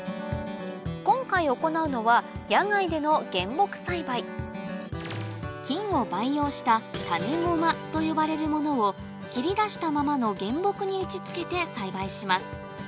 今回行うのは野外での菌を培養した種駒と呼ばれるものを切り出したままの原木に打ちつけて栽培します